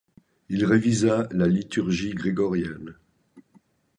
Il révisa la liturgie grégorienne.